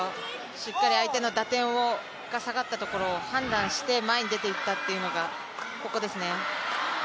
しっかり相手の打点が下がったところを判断して前に出ていったというのが、ここですね。